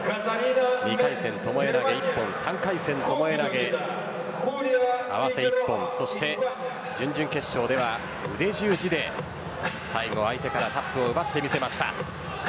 ２回戦巴投一本３回戦巴投を合わせ一本、そして準々決勝では腕十字で最後の相手からタップを奪って勝ちました。